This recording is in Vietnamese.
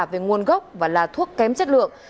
về nguồn gốc và là thuốc kém chất lượng